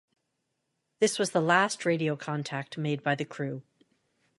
This was the last radio contact made by the crew.